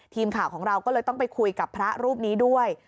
ทีมข่าวของเราก็เลยต้องไปคุยกับพระรูปนี้ด้วย